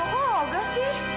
loh kok enggak sih